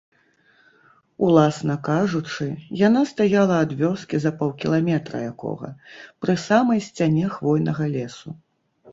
Уласна кажучы, яна стаяла ад вёскі за паўкіламетра якога, пры самай сцяне хвойнага лесу.